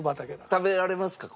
食べられますか？